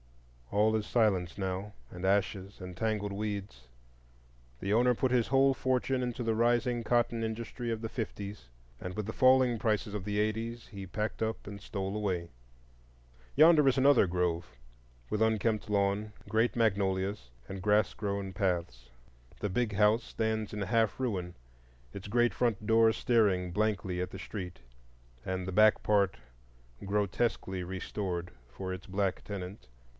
All is silence now, and ashes, and tangled weeds. The owner put his whole fortune into the rising cotton industry of the fifties, and with the falling prices of the eighties he packed up and stole away. Yonder is another grove, with unkempt lawn, great magnolias, and grass grown paths. The Big House stands in half ruin, its great front door staring blankly at the street, and the back part grotesquely restored for its black tenant.